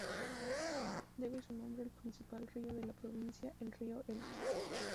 Debe su nombre al principal río de la provincia: el río Elqui.